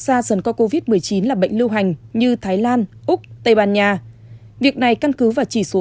da dần qua covid một mươi chín là bệnh lưu hành như thái lan úc tây ban nha việc này căn cứ vào chỉ số